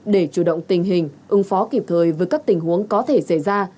để chủ động tình hình ứng phó kịp thời với các tình huống có thể xảy ra